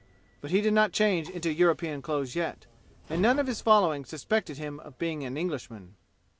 But he did not change into European clothes yet, and none of his following suspected him of being an Englishman.